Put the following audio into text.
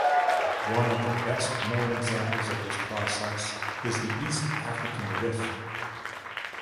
One of the best known examples of this process is the East African Rift.